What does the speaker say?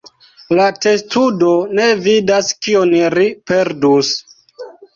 La testudo ne vidas kion ri perdus.